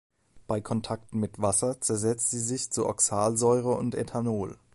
Bei Kontakt mit Wasser zersetzt sie sich zu Oxalsäure und Ethanol.